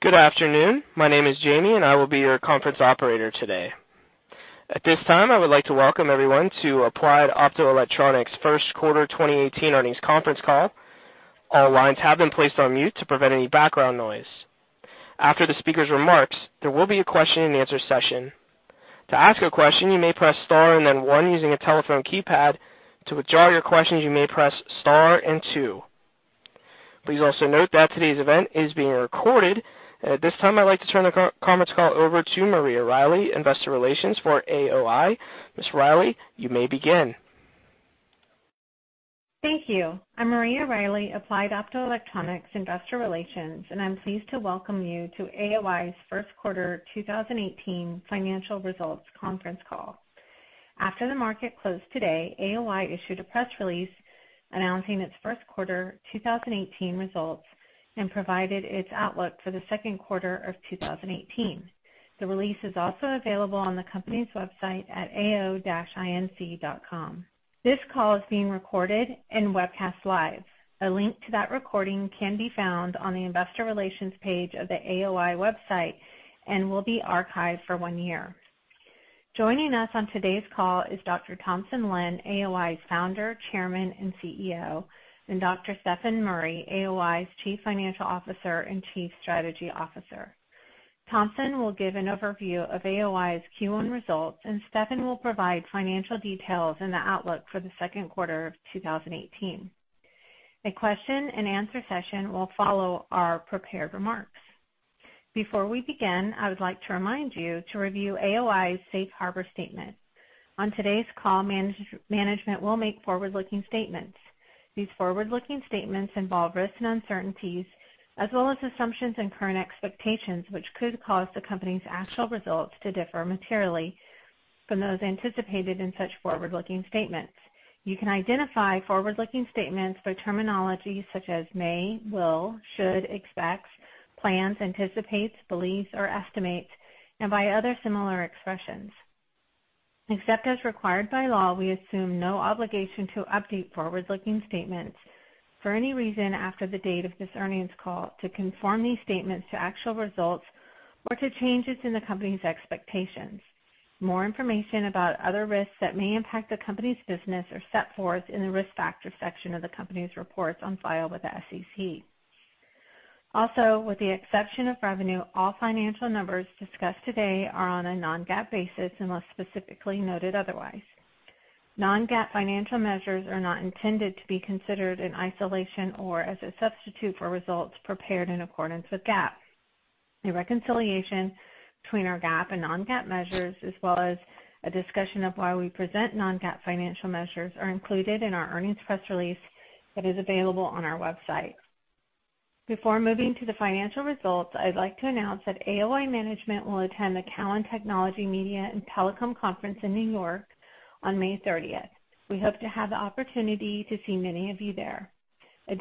Good afternoon. My name is Jaime, and I will be your conference operator today. At this time, I would like to welcome everyone to Applied Optoelectronics first quarter 2018 earnings conference call. All lines have been placed on mute to prevent any background noise. After the speaker's remarks, there will be a question and answer session. To ask a question, you may press star and then one using your telephone keypad. To withdraw your question, you may press star and two. Please also note that today's event is being recorded. At this time, I'd like to turn the conference call over to Maria Riley, Investor Relations for AOI. Ms. Riley, you may begin. Thank you. I'm Maria Riley, Applied Optoelectronics Investor Relations, and I'm pleased to welcome you to AOI's first quarter 2018 financial results conference call. After the market closed today, AOI issued a press release announcing its first quarter 2018 results and provided its outlook for the second quarter of 2018. The release is also available on the company's website at ao-inc.com. This call is being recorded and webcast live. A link to that recording can be found on the investor relations page of the AOI website and will be archived for one year. Joining us on today's call is Dr. Thompson Lin, AOI's Founder, Chairman, and CEO, and Dr. Stefan Murry, AOI's Chief Financial Officer and Chief Strategy Officer. Thompson will give an overview of AOI's Q1 results, and Stefan will provide financial details and the outlook for the second quarter of 2018. A question and answer session will follow our prepared remarks. Before we begin, I would like to remind you to review AOI's Safe Harbor statement. On today's call, management will make forward-looking statements. These forward-looking statements involve risks and uncertainties as well as assumptions and current expectations, which could cause the company's actual results to differ materially from those anticipated in such forward-looking statements. You can identify forward-looking statements by terminology such as may, will, should, expects, plans, anticipates, believes, or estimates, by other similar expressions. Except as required by law, we assume no obligation to update forward-looking statements for any reason after the date of this earnings call to conform these statements to actual results or to changes in the company's expectations. More information about other risks that may impact the company's business are set forth in the risk factor section of the company's reports on file with the SEC. Also, with the exception of revenue, all financial numbers discussed today are on a non-GAAP basis, unless specifically noted otherwise. Non-GAAP financial measures are not intended to be considered in isolation or as a substitute for results prepared in accordance with GAAP. A reconciliation between our GAAP and non-GAAP measures, as well as a discussion of why we present non-GAAP financial measures, are included in our earnings press release that is available on our website. Before moving to the financial results, I'd like to announce that AOI management will attend the Cowen Technology, Media & Telecom Conference in New York on May 30th. We hope to have the opportunity to see many of you there. I'd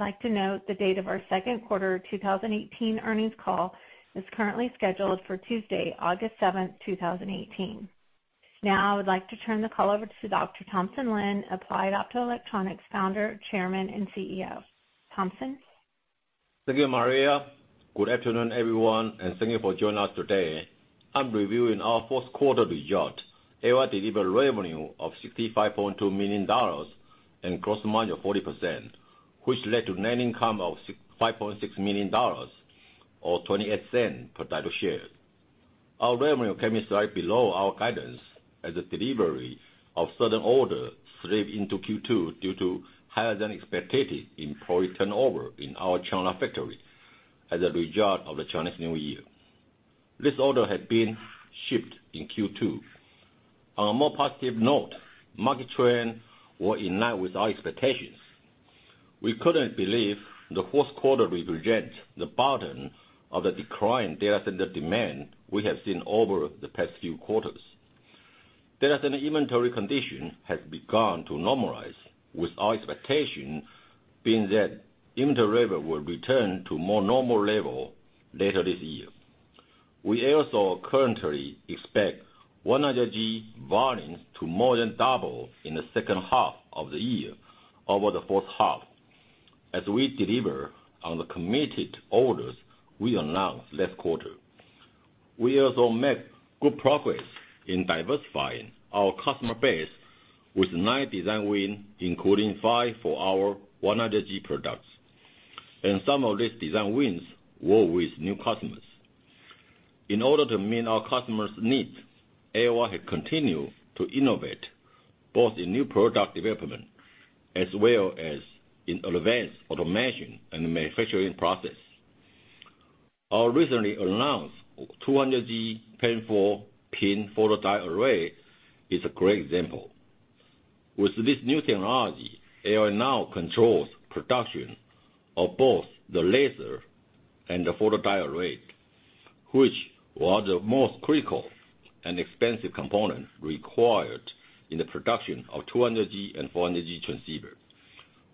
like to note the date of our second quarter 2018 earnings call is currently scheduled for Tuesday, August 7th, 2018. I would like to turn the call over to Dr. Thompson Lin, Applied Optoelectronics founder, Chairman, and CEO. Thompson? Thank you, Maria. Good afternoon, everyone, and thank you for joining us today. I'm reviewing our first quarter result. AOI delivered revenue of $65.2 million and gross margin of 40%, which led to net income of $5.6 million, or $0.28 per diluted share. Our revenue came slightly below our guidance as the delivery of certain orders slipped into Q2 due to higher than expected employee turnover in our China factory as a result of the Chinese New Year. This order has been shipped in Q2. On a more positive note, market trends were in line with our expectations. We currently believe the fourth quarter represents the bottom of the declining data center demand we have seen over the past few quarters. Data center inventory condition has begun to normalize, with our expectation being that inventory level will return to more normal level later this year. We also currently expect 100G volumes to more than double in the second half of the year over the first half as we deliver on the committed orders we announced last quarter. We also made good progress in diversifying our customer base with nine design wins, including five for our 100G products, and some of these design wins were with new customers. In order to meet our customers' needs, AOI has continued to innovate both in new product development as well as in advanced automation and manufacturing process. Our recently announced 200G PAM4 PIN photodiode array is a great example. With this new technology, AOI now controls production of both the laser and the photodiode array, which were the most critical and expensive components required in the production of 200G and 400G transceiver.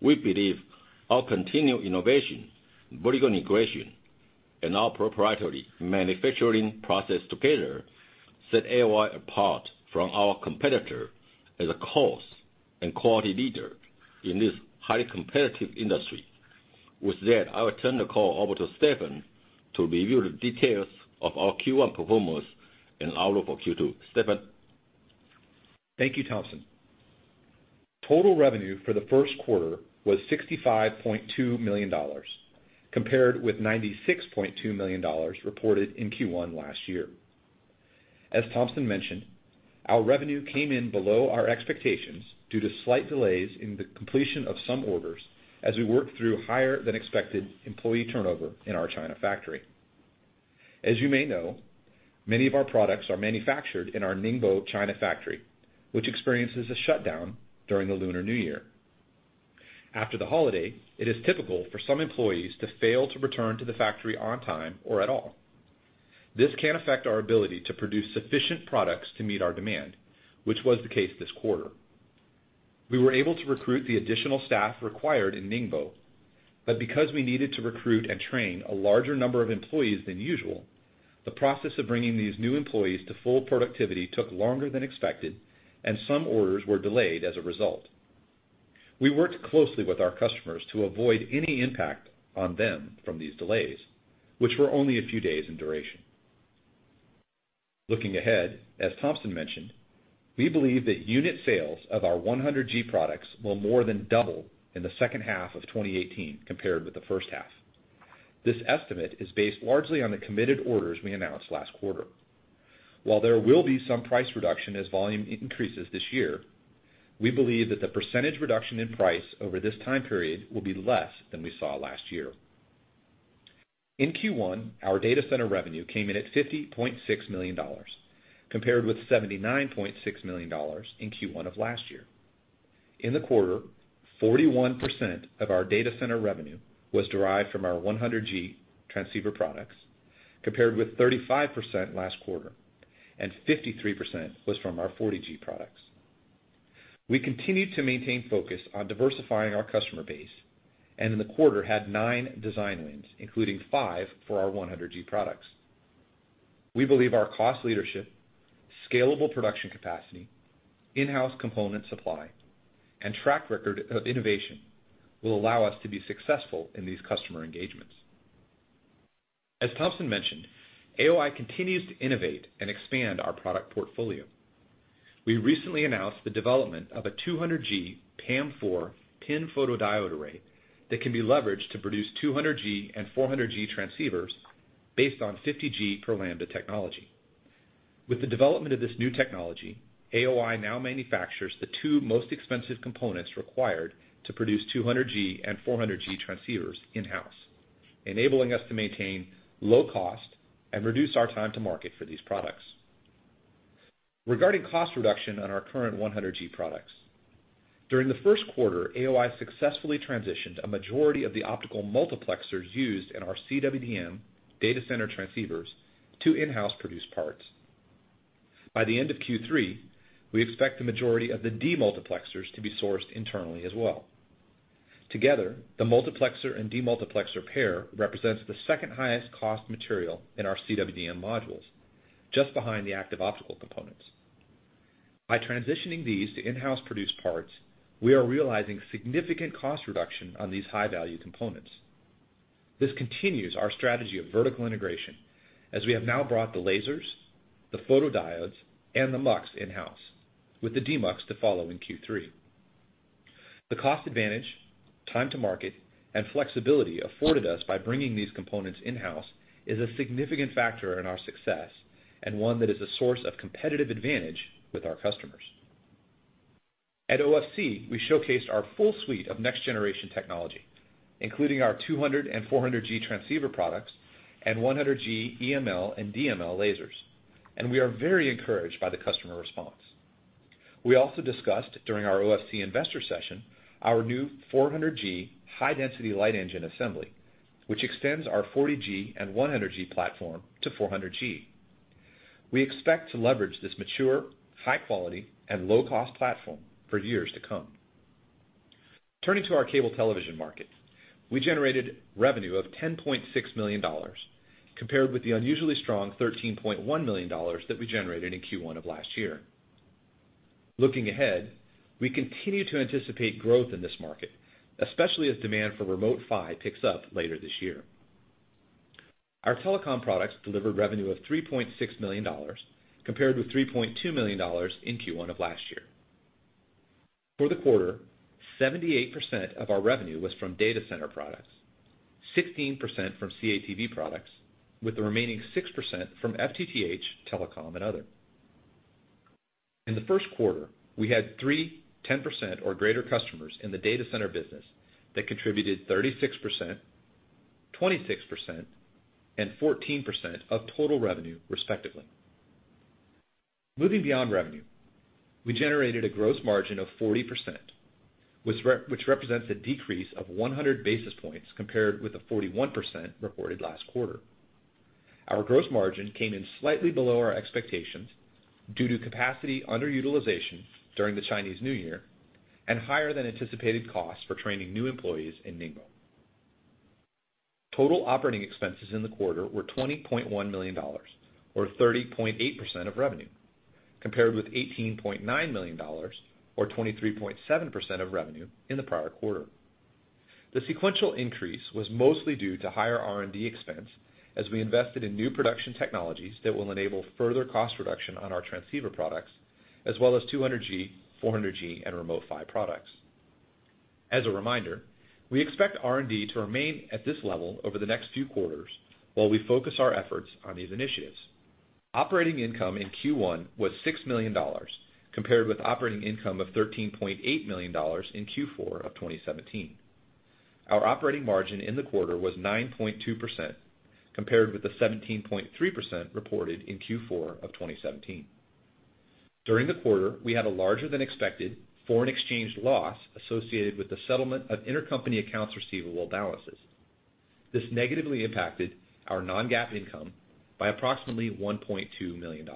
We believe our continued innovation, vertical integration, and our proprietary manufacturing process together set AOI apart from our competitor as a cost and quality leader in this highly competitive industry. With that, I will turn the call over to Stefan to review the details of our Q1 performance and outlook for Q2. Stefan? Thank you, Thompson. Total revenue for the first quarter was $65.2 million, compared with $96.2 million reported in Q1 last year. As Thompson mentioned, our revenue came in below our expectations due to slight delays in the completion of some orders as we worked through higher-than-expected employee turnover in our China factory. As you may know, many of our products are manufactured in our Ningbo, China factory, which experiences a shutdown during the Lunar New Year. After the holiday, it is typical for some employees to fail to return to the factory on time or at all. This can affect our ability to produce sufficient products to meet our demand, which was the case this quarter. Because we needed to recruit and train a larger number of employees than usual, the process of bringing these new employees to full productivity took longer than expected, and some orders were delayed as a result. We worked closely with our customers to avoid any impact on them from these delays, which were only a few days in duration. Looking ahead, as Thompson mentioned, we believe that unit sales of our 100G products will more than double in the second half of 2018 compared with the first half. This estimate is based largely on the committed orders we announced last quarter. While there will be some price reduction as volume increases this year, we believe that the percentage reduction in price over this time period will be less than we saw last year. In Q1, our data center revenue came in at $50.6 million, compared with $79.6 million in Q1 of last year. In the quarter, 41% of our data center revenue was derived from our 100G transceiver products, compared with 35% last quarter. 53% was from our 40G products. We continue to maintain focus on diversifying our customer base. In the quarter had nine design wins, including five for our 100G products. We believe our cost leadership, scalable production capacity, in-house component supply, and track record of innovation will allow us to be successful in these customer engagements. As Thompson mentioned, AOI continues to innovate and expand our product portfolio. We recently announced the development of a 200G PAM4 PIN photodiode array that can be leveraged to produce 200G and 400G transceivers based on 50G per lambda technology. With the development of this new technology, AOI now manufactures the two most expensive components required to produce 200G and 400G transceivers in-house, enabling us to maintain low cost and reduce our time to market for these products. Regarding cost reduction on our current 100G products, during the first quarter, AOI successfully transitioned a majority of the optical multiplexers used in our CWDM data center transceivers to in-house produced parts. By the end of Q3, we expect the majority of the demultiplexers to be sourced internally as well. Together, the multiplexer and demultiplexer pair represents the second highest cost material in our CWDM modules, just behind the active optical components. By transitioning these to in-house produced parts, we are realizing significant cost reduction on these high-value components. This continues our strategy of vertical integration, as we have now brought the lasers, the photodiodes, and the mux in-house, with the demux to follow in Q3. The cost advantage, time to market, and flexibility afforded us by bringing these components in-house is a significant factor in our success, and one that is a source of competitive advantage with our customers. At OFC, we showcased our full suite of next generation technology, including our 200G and 400G transceiver products and 100G EML and DML lasers, and we are very encouraged by the customer response. We also discussed during our OFC investor session our new 400G high-density light engine assembly, which extends our 40G and 100G platform to 400G. We expect to leverage this mature, high quality, and low-cost platform for years to come. Turning to our cable television market, we generated revenue of $10.6 million compared with the unusually strong $13.1 million that we generated in Q1 of last year. Looking ahead, we continue to anticipate growth in this market, especially as demand for Remote PHY picks up later this year. Our telecom products delivered revenue of $3.6 million, compared with $3.2 million in Q1 of last year. For the quarter, 78% of our revenue was from data center products, 16% from CATV products, with the remaining 6% from FTTH, telecom, and other. In the first quarter, we had three 10% or greater customers in the data center business that contributed 36%, 26%, and 14% of total revenue respectively. Moving beyond revenue, we generated a gross margin of 40%, which represents a decrease of 100 basis points, compared with the 41% reported last quarter. Our gross margin came in slightly below our expectations due to capacity underutilization during the Chinese New Year and higher than anticipated costs for training new employees in Ningbo. Total operating expenses in the quarter were $20.1 million, or 30.8% of revenue, compared with $18.9 million, or 23.7% of revenue in the prior quarter. The sequential increase was mostly due to higher R&D expense as we invested in new production technologies that will enable further cost reduction on our transceiver products, as well as 200G, 400G, and Remote PHY products. As a reminder, we expect R&D to remain at this level over the next few quarters while we focus our efforts on these initiatives. Operating income in Q1 was $6 million, compared with operating income of $13.8 million in Q4 of 2017. Our operating margin in the quarter was 9.2%, compared with the 17.3% reported in Q4 of 2017. During the quarter, we had a larger-than-expected foreign exchange loss associated with the settlement of intercompany accounts receivable balances. This negatively impacted our non-GAAP income by approximately $1.2 million.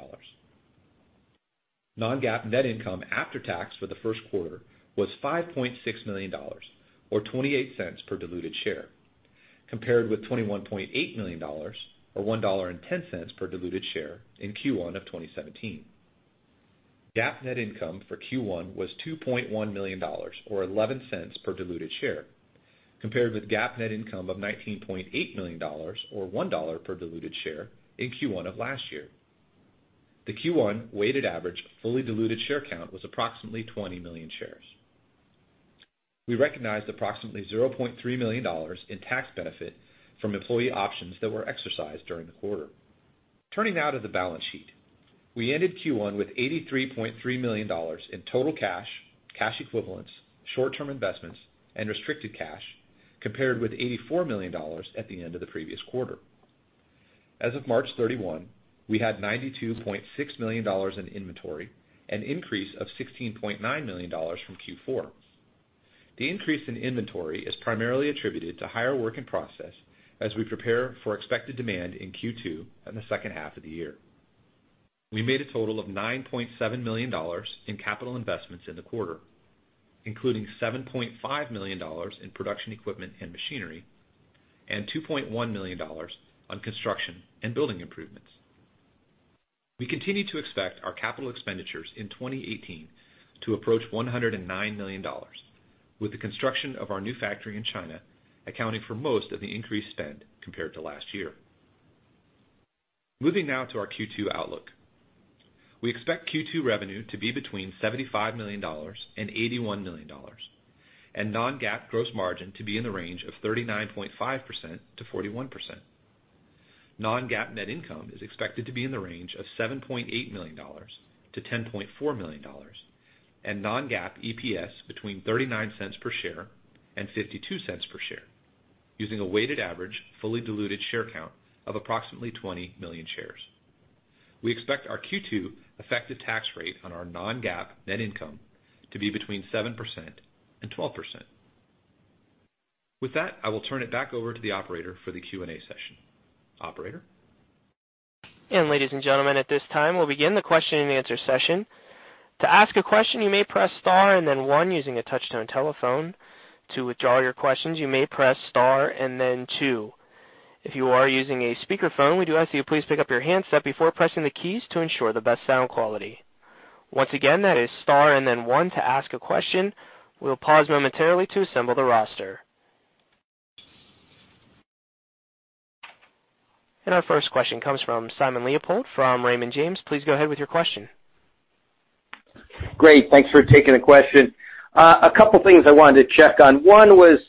Non-GAAP net income after tax for the first quarter was $5.6 million, or $0.28 per diluted share, compared with $21.8 million, or $1.10 per diluted share in Q1 of 2017. GAAP net income for Q1 was $2.1 million, or $0.11 per diluted share, compared with GAAP net income of $19.8 million, or $1 per diluted share in Q1 of last year. The Q1 weighted average fully diluted share count was approximately 20 million shares. We recognized approximately $0.3 million in tax benefit from employee options that were exercised during the quarter. Turning now to the balance sheet. We ended Q1 with $83.3 million in total cash equivalents, short-term investments, and restricted cash, compared with $84 million at the end of the previous quarter. As of March 31, we had $92.6 million in inventory, an increase of $16.9 million from Q4. The increase in inventory is primarily attributed to higher work in process as we prepare for expected demand in Q2 and the second half of the year. We made a total of $9.7 million in capital investments in the quarter, including $7.5 million in production equipment and machinery and $2.1 million on construction and building improvements. We continue to expect our capital expenditures in 2018 to approach $109 million, with the construction of our new factory in China accounting for most of the increased spend compared to last year. Moving now to our Q2 outlook. We expect Q2 revenue to be between $75 million and $81 million, and non-GAAP gross margin to be in the range of 39.5%-41%. non-GAAP net income is expected to be in the range of $7.8 million-$10.4 million, and non-GAAP EPS between $0.39 per share and $0.52 per share, using a weighted average fully diluted share count of approximately 20 million shares. We expect our Q2 effective tax rate on our non-GAAP net income to be between 7%-12%. With that, I will turn it back over to the operator for the Q&A session. Operator? Ladies and gentlemen, at this time, we'll begin the question and answer session. To ask a question, you may press star and then one using a touch-tone telephone. To withdraw your questions, you may press star and then two. If you are using a speakerphone, we do ask you to please pick up your handset before pressing the keys to ensure the best sound quality. Once again, that is star and then one to ask a question. We will pause momentarily to assemble the roster. Our first question comes from Simon Leopold from Raymond James. Please go ahead with your question. Great. Thanks for taking the question. A couple things I wanted to check on. One was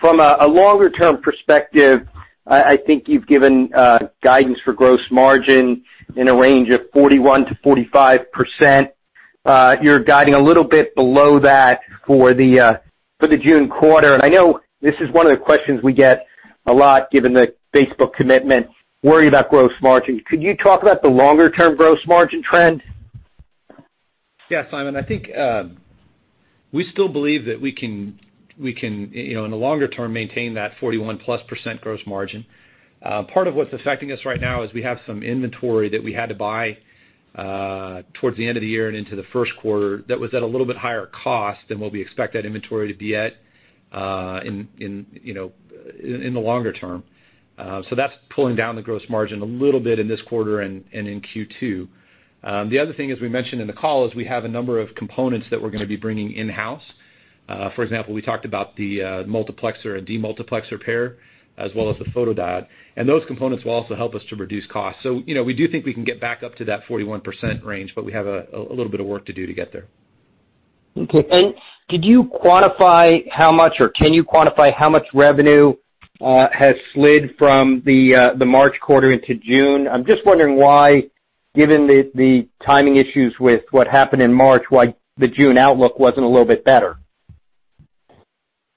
from a longer-term perspective, I think you've given guidance for gross margin in a range of 41%-45%. You're guiding a little bit below that for the June quarter. I know this is one of the questions we get a lot, given the Facebook commitment, worry about gross margin. Could you talk about the longer-term gross margin trend? Yeah, Simon, I think we still believe that we can, in the longer term, maintain that 41-plus% gross margin. Part of what's affecting us right now is we have some inventory that we had to buy towards the end of the year and into the first quarter that was at a little bit higher cost than what we expect that inventory to be at in the longer term. That's pulling down the gross margin a little bit in this quarter and in Q2. The other thing, as we mentioned in the call, is we have a number of components that we're going to be bringing in-house. For example, we talked about the multiplexer and demultiplexer pair, as well as the photodiode, and those components will also help us to reduce costs. We do think we can get back up to that 41% range, but we have a little bit of work to do to get there. Okay. Did you quantify how much, or can you quantify how much revenue has slid from the March quarter into June? I'm just wondering why, given the timing issues with what happened in March, why the June outlook wasn't a little bit better.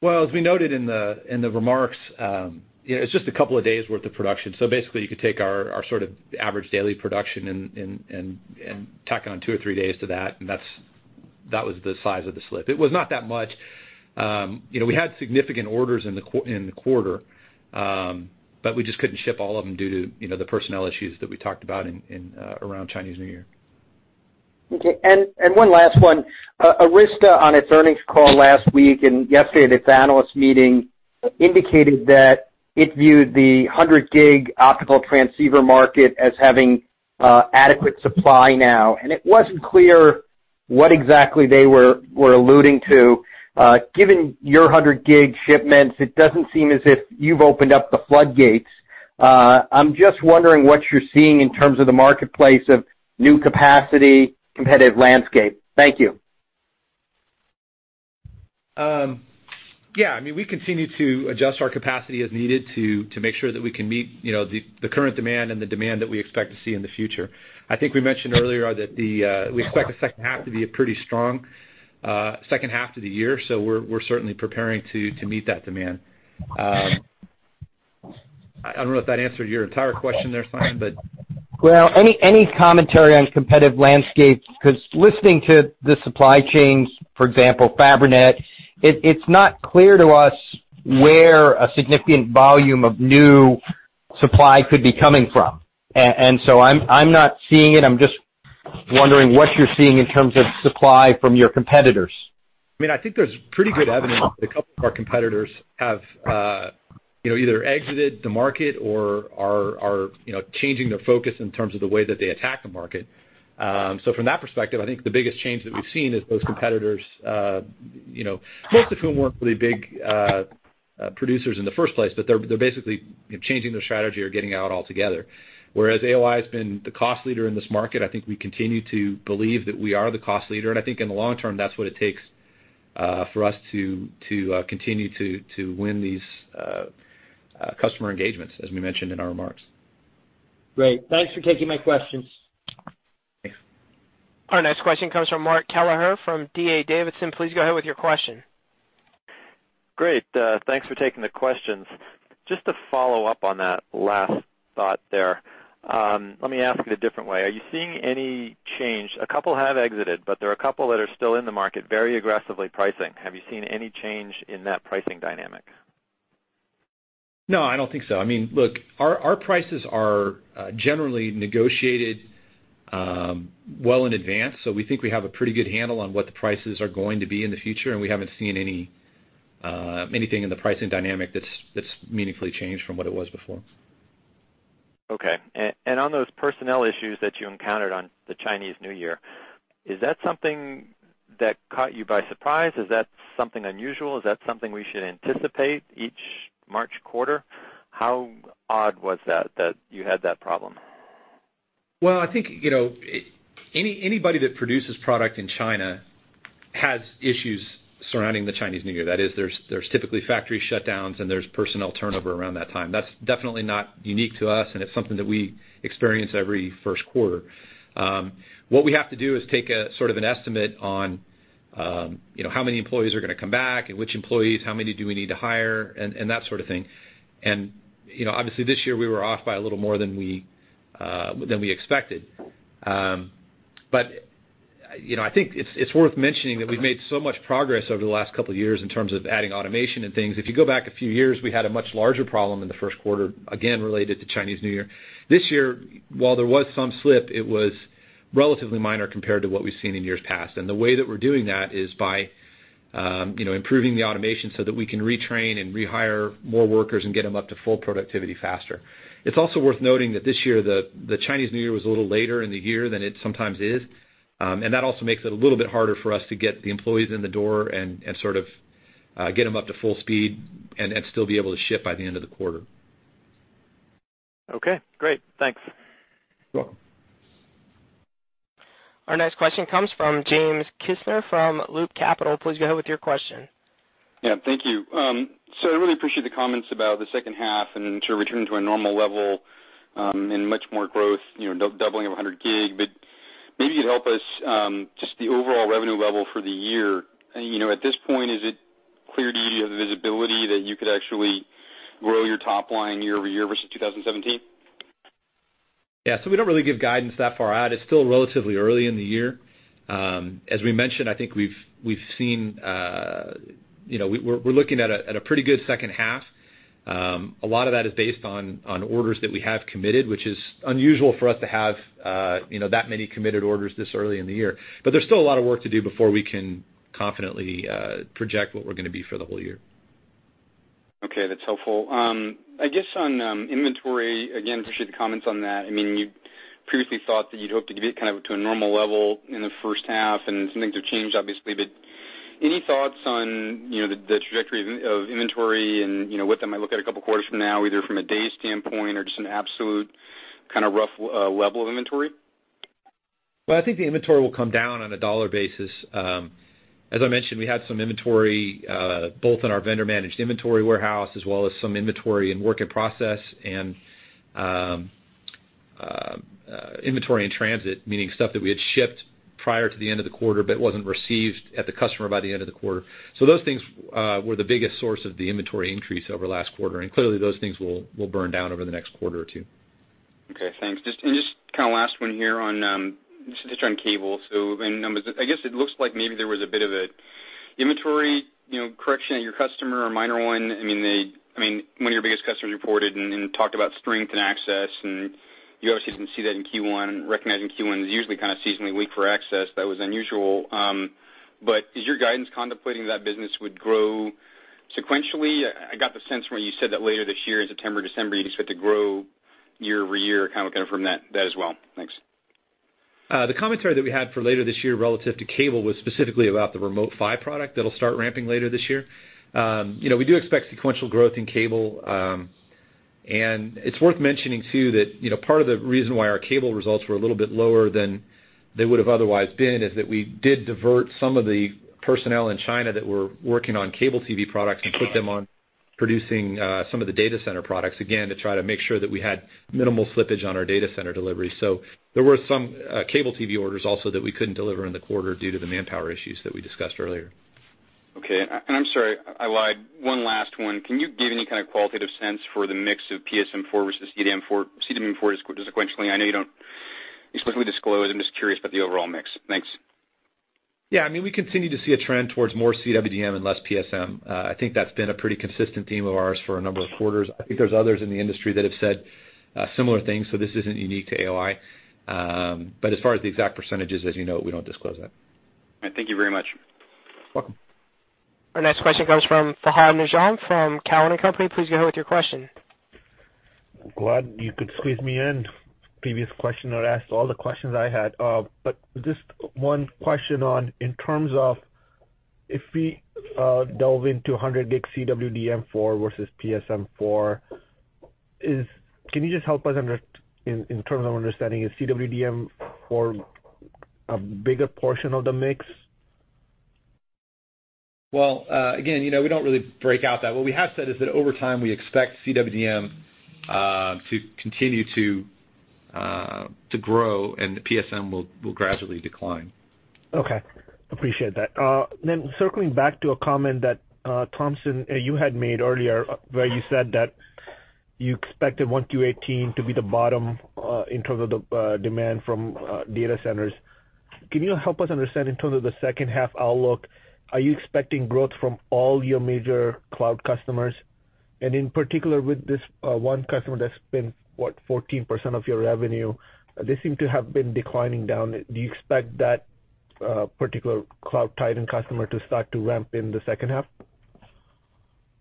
Well, as we noted in the remarks, it's just a couple of days' worth of production. Basically, you could take our sort of average daily production and tack on two or three days to that, and that was the size of the slip. It was not that much. We had significant orders in the quarter, but we just couldn't ship all of them due to the personnel issues that we talked about around Chinese New Year. Okay. One last one. Arista on its earnings call last week and yesterday at its analyst meeting indicated that it viewed the 100G optical transceiver market as having adequate supply now, and it wasn't clear what exactly they were alluding to. Given your 100G shipments, it doesn't seem as if you've opened up the floodgates. I'm just wondering what you're seeing in terms of the marketplace of new capacity, competitive landscape. Thank you. Yeah. We continue to adjust our capacity as needed to make sure that we can meet the current demand and the demand that we expect to see in the future. I think we mentioned earlier that we expect the second half to be a pretty strong second half to the year. We're certainly preparing to meet that demand. I don't know if that answered your entire question there, Simon, but Well, any commentary on competitive landscape, because listening to the supply chains, for example, Fabrinet, it's not clear to us where a significant volume of new supply could be coming from. I'm not seeing it. I'm just wondering what you're seeing in terms of supply from your competitors. I think there's pretty good evidence that a couple of our competitors have either exited the market or are changing their focus in terms of the way that they attack the market. From that perspective, I think the biggest change that we've seen is those competitors, most of whom weren't really big producers in the first place, but they're basically changing their strategy or getting out altogether. Whereas AOI has been the cost leader in this market. I think we continue to believe that we are the cost leader, and I think in the long term, that's what it takes for us to continue to win these customer engagements, as we mentioned in our remarks. Great. Thanks for taking my questions. Thanks. Our next question comes from Mark Kelleher from D.A. Davidson. Please go ahead with your question. Great. Thanks for taking the questions. Just to follow up on that last thought there. Let me ask it a different way. Are you seeing any change? A couple have exited, but there are a couple that are still in the market, very aggressively pricing. Have you seen any change in that pricing dynamic? No, I don't think so. Look, our prices are generally negotiated well in advance, so we think we have a pretty good handle on what the prices are going to be in the future, and we haven't seen anything in the pricing dynamic that's meaningfully changed from what it was before. Okay. On those personnel issues that you encountered on the Chinese New Year, is that something that caught you by surprise? Is that something unusual? Is that something we should anticipate each March quarter? How odd was that you had that problem? Well, I think anybody that produces product in China has issues surrounding the Chinese New Year. That is, there's typically factory shutdowns and there's personnel turnover around that time. That's definitely not unique to us, and it's something that we experience every first quarter. What we have to do is take a sort of an estimate on how many employees are going to come back and which employees, how many do we need to hire, and that sort of thing. Obviously, this year we were off by a little more than we expected. I think it's worth mentioning that we've made so much progress over the last couple of years in terms of adding automation and things. If you go back a few years, we had a much larger problem in the first quarter, again, related to Chinese New Year. This year, while there was some slip, it was relatively minor compared to what we've seen in years past. The way that we're doing that is by improving the automation so that we can retrain and rehire more workers and get them up to full productivity faster. It's also worth noting that this year, the Chinese New Year was a little later in the year than it sometimes is. That also makes it a little bit harder for us to get the employees in the door and sort of get them up to full speed and then still be able to ship by the end of the quarter. Okay, great. Thanks. You're welcome. Our next question comes from James Kisner from Loop Capital. Please go ahead with your question. Yeah, thank you. I really appreciate the comments about the second half and sort of returning to a normal level, and much more growth, doubling of 100G. Maybe you'd help us, just the overall revenue level for the year. At this point, is it clear to you have visibility that you could actually grow your top line year-over-year versus 2017? Yeah. We don't really give guidance that far out. It's still relatively early in the year. As we mentioned, I think we're looking at a pretty good second half. A lot of that is based on orders that we have committed, which is unusual for us to have that many committed orders this early in the year. There's still a lot of work to do before we can confidently project what we're going to be for the whole year. Okay. That's helpful. I guess on inventory, again, appreciate the comments on that. You previously thought that you'd hoped to get kind of to a normal level in the first half, and some things have changed, obviously. Any thoughts on the trajectory of inventory and what that might look at 2 quarters from now, either from a day standpoint or just an absolute kind of rough level of inventory? Well, I think the inventory will come down on a $ basis. As I mentioned, we had some inventory both in our vendor-managed inventory warehouse as well as some inventory in work in process and inventory in transit, meaning stuff that we had shipped prior to the end of the quarter, but it wasn't received at the customer by the end of the quarter. Those things were the biggest source of the inventory increase over last quarter, and clearly those things will burn down over the next quarter or 2. Okay, thanks. Just kind of last one here on cable. In numbers, I guess it looks like maybe there was a bit of a inventory correction at your customer, a minor one. One of your biggest customers reported and talked about strength and access, and you obviously didn't see that in Q1. Recognizing Q1 is usually kind of seasonally weak for access, that was unusual. Is your guidance contemplating that business would grow sequentially? I got the sense when you said that later this year, in September, December, you just have to grow year-over-year kind of confirm that as well. Thanks. The commentary that we had for later this year relative to cable was specifically about the Remote PHY product that'll start ramping later this year. We do expect sequential growth in cable. It's worth mentioning too, that part of the reason why our cable results were a little bit lower than they would've otherwise been, is that we did divert some of the personnel in China that were working on cable TV products and put them on producing some of the data center products, again, to try to make sure that we had minimal slippage on our data center delivery. There were some cable TV orders also that we couldn't deliver in the quarter due to the manpower issues that we discussed earlier. Okay. I'm sorry, I lied. One last one. Can you give any kind of qualitative sense for the mix of PSM4 versus CWDM4 sequentially? I know you don't explicitly disclose it. I'm just curious about the overall mix. Thanks. Yeah, we continue to see a trend towards more CWDM and less PSM. I think that's been a pretty consistent theme of ours for a number of quarters. I think there's others in the industry that have said similar things, so this isn't unique to AOI. As far as the exact percentages, as you know, we don't disclose that. All right. Thank you very much. Welcome. Our next question comes from Fahad Najam from Cowen and Company. Please go ahead with your question. Glad you could squeeze me in. Previous questioner asked all the questions I had. Just one question on, in terms of if we delve into 100G CWDM4 versus PSM4, can you just help us in terms of understanding, is CWDM4 a bigger portion of the mix? Well, again, we don't really break out that. What we have said is that over time, we expect CWDM to continue to grow, and the PSM will gradually decline. Okay. Appreciate that. Circling back to a comment that Thompson, you had made earlier, where you said that you expected Q1 2018 to be the bottom in terms of the demand from data centers. Can you help us understand in terms of the second half outlook, are you expecting growth from all your major cloud customers? And in particular, with this one customer that's been, what, 14% of your revenue, they seem to have been declining down. Do you expect that particular cloud titan customer to start to ramp in the second half?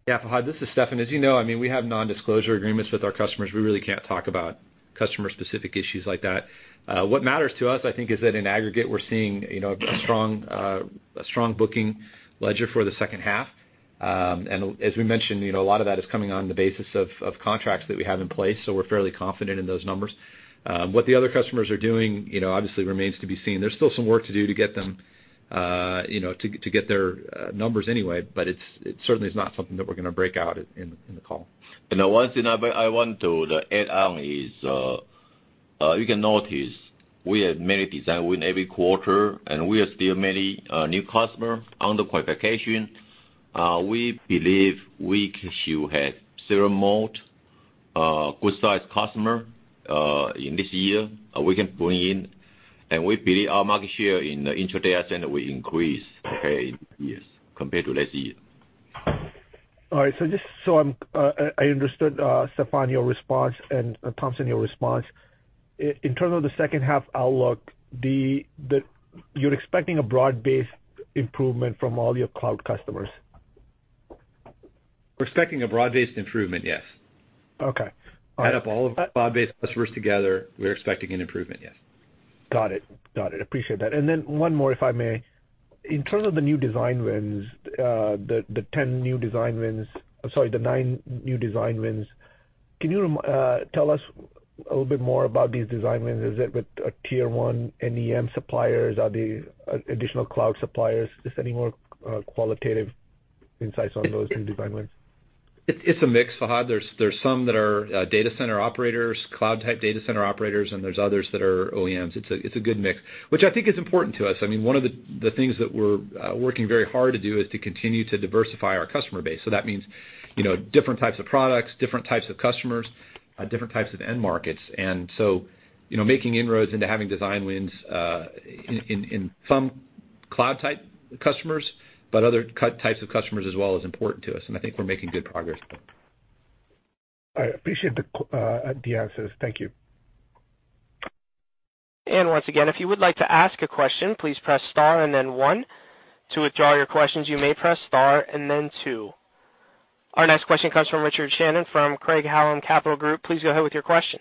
Yeah. Fahad, this is Stefan. As you know, we have non-disclosure agreements with our customers. We really can't talk about customer specific issues like that. What matters to us, I think, is that in aggregate, we're seeing a strong booking ledger for the second half. As we mentioned, a lot of that is coming on the basis of contracts that we have in place, so we're fairly confident in those numbers. What the other customers are doing, obviously remains to be seen. There's still some work to do to get their numbers anyway, but it certainly is not something that we're going to break out in the call. One thing I want to add on is, you can notice we have many design win every quarter, and we are still many new customer under qualification. We believe we should have several more good sized customer in this year we can bring in. We believe our market share in the intra-data center will increase compared to last year. All right. Just so I understood, Stefan, your response and Thompson, your response. In terms of the second half outlook, you're expecting a broad-based improvement from all your cloud customers. We're expecting a broad-based improvement, yes. Okay. All right. Add up all of the broad-based customers together, we're expecting an improvement, yes. Got it. Appreciate that. Then one more, if I may. In terms of the new design wins, the nine new design wins, can you tell us a little bit more about these design wins? Is it with tier 1 NEM suppliers? Are they additional cloud suppliers? Just any more qualitative insights on those new design wins. It's a mix, Fahad. There's some that are data center operators, cloud type data center operators, and there's others that are OEMs. It's a good mix, which I think is important to us. One of the things that we're working very hard to do is to continue to diversify our customer base. That means different types of products, different types of customers, different types of end markets. So, making inroads into having design wins in some cloud type customers, but other types of customers as well, is important to us, and I think we're making good progress there. All right. Appreciate the answers. Thank you. Once again, if you would like to ask a question, please press star and then one. To withdraw your questions, you may press star and then two. Our next question comes from Richard Shannon from Craig-Hallum Capital Group. Please go ahead with your question.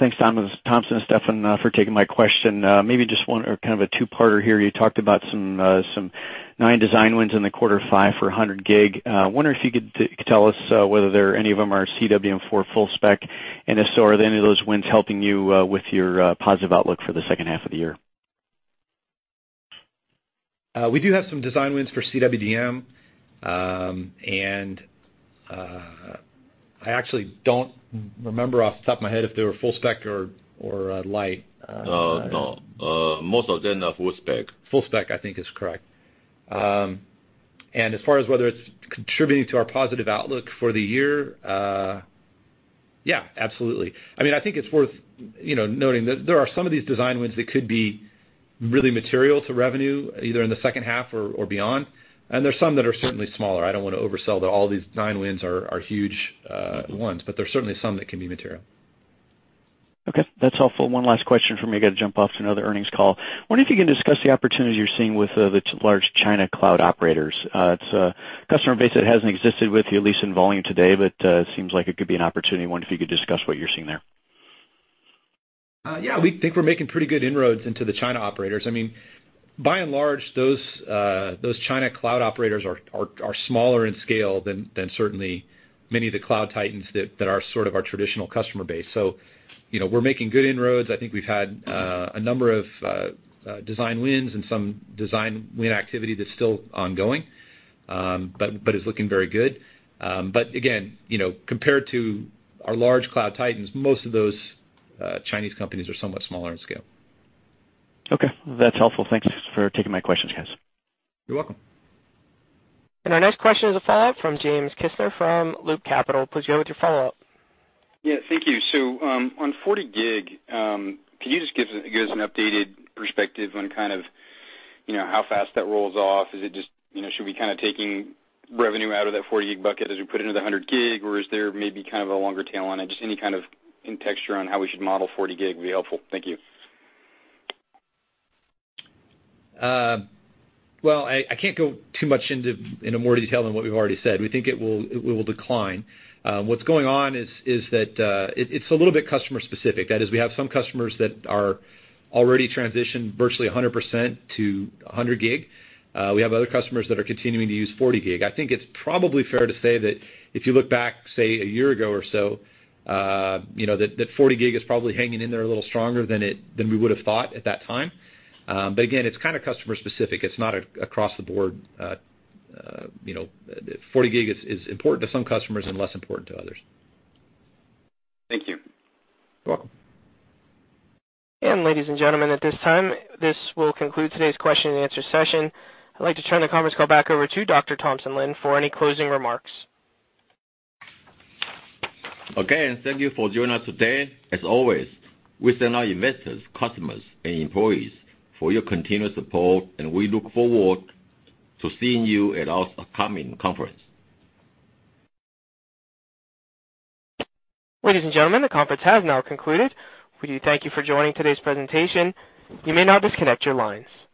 Thanks, Thompson and Stefan for taking my question. Maybe just one or kind of a two-parter here. You talked about some nine design wins in the quarter five for 100G. I wonder if you could tell us whether any of them are CWDM4 full spec. If so, are there any of those wins helping you with your positive outlook for the second half of the year? We do have some design wins for CWDM. I actually don't remember off the top of my head if they were full spec or light. No, most of them are full spec. Full spec, I think is correct. As far as whether it's contributing to our positive outlook for the year, absolutely. I think it's worth noting that there are some of these design wins that could be really material to revenue, either in the second half or beyond, and there are some that are certainly smaller. I don't want to oversell that all these design wins are huge ones, but there are certainly some that can be material. Okay, that's helpful. One last question from me. I've got to jump off to another earnings call. Wondering if you can discuss the opportunities you're seeing with the large China cloud operators. It's a customer base that hasn't existed with you, at least in volume today, but it seems like it could be an opportunity. Wonder if you could discuss what you're seeing there. We think we're making pretty good inroads into the China operators. By and large, those China cloud operators are smaller in scale than certainly many of the cloud titans that are sort of our traditional customer base. We're making good inroads. I think we've had a number of design wins and some design win activity that's still ongoing, but is looking very good. Again, compared to our large cloud titans, most of those Chinese companies are somewhat smaller in scale. Okay, that's helpful. Thanks for taking my questions, guys. You're welcome. Our next question is a follow-up from James Kisner from Loop Capital. Please go with your follow-up. Thank you. On 40G, can you just give us an updated perspective on how fast that rolls off? Should we be taking revenue out of that 40G bucket as we put it into the 100G, or is there maybe kind of a longer tail on it? Just any kind of in texture on how we should model 40G would be helpful. Thank you. I can't go too much into more detail than what we've already said. We think it will decline. What's going on is that it's a little bit customer specific. That is, we have some customers that are already transitioned virtually 100% to 100G. We have other customers that are continuing to use 40G. I think it's probably fair to say that if you look back, say, a year ago or so, that 40G is probably hanging in there a little stronger than we would've thought at that time. Again, it's kind of customer specific. It's not across the board. 40G is important to some customers and less important to others. Thank you. You're welcome. Ladies and gentlemen, at this time, this will conclude today's question and answer session. I'd like to turn the conference call back over to Dr. Thompson Lin for any closing remarks. Okay, thank you for joining us today. As always, we thank our investors, customers, and employees for your continued support, and we look forward to seeing you at our upcoming conference. Ladies and gentlemen, the conference has now concluded. We thank you for joining today's presentation. You may now disconnect your lines.